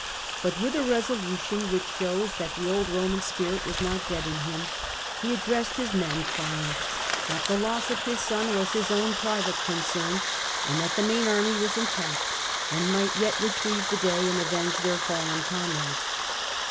But, with a resolution which shows that the old Roman spirit was not dead in him, he addressed his men, crying that the loss of his son was his own private concern, and that the main army was intact, and might yet retrieve the day and avenge their fallen comrades.